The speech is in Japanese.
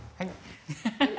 ハハハハ。